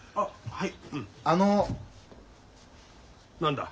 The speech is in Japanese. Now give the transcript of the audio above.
はい！